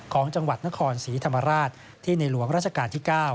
ของจังหวัดนครศรีธรรมราชที่ในหลวงราชการที่๙